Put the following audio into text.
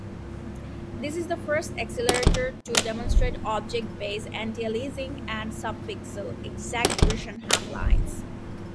This is the first accelerator to demonstrate object-based antialiasing and sub-pixel exact Bresenham lines.